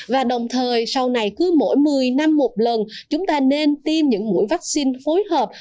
và đồng thời sau này cứ mỗi một mươi năm một lần chúng ta nên tiêm những mũi vaccine phối hợp